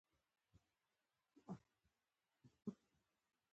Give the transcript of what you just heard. د ملک شیریندل منځنی ښوونځی کامې ولسوالۍ کې دی.